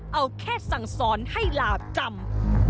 เอาแค่สั่งสอนให้หลาบจำ